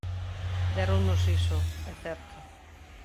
Déronnos iso, é certo.